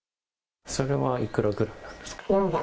それはいくらぐらいなんですか？